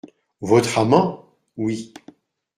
Votre amant ? Oui.